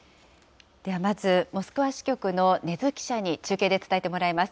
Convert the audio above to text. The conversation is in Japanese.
ではまず、モスクワ支局の禰津記者に中継で伝えてもらいます。